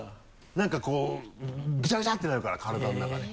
何かこうぐちゃぐちゃってなるから体の中で。